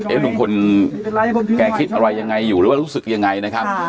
ลุงพลแกคิดอะไรยังไงอยู่หรือว่ารู้สึกยังไงนะครับ